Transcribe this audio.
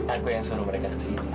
aku yang suruh mereka